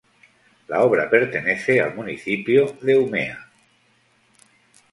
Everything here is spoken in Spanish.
La obra pertenece al municipio de Umeå.